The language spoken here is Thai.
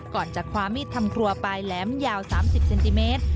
ก่อนจะคว้ามีดทำครัวปลายแหลมยาว๓๐เซนติเมตร